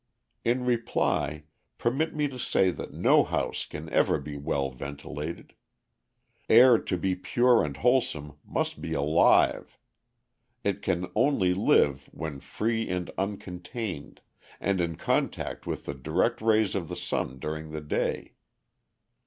In reply, permit me to say that no house can ever be well ventilated. Air to be pure and wholesome must be alive. It can only live when free and uncontained, and in contact with the direct rays of the sun during the day.